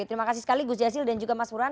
terima kasih sekali gus jazil dan juga mas burhan